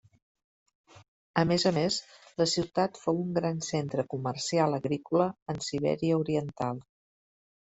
A més a més, la ciutat fou un gran centre comercial agrícola en Sibèria oriental.